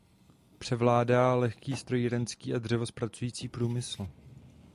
Převládá lehký strojírenský a dřevozpracující průmysl.